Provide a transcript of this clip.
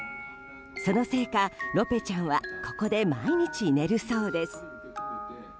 そのせいか、ロペちゃんはここで毎日寝るそうです。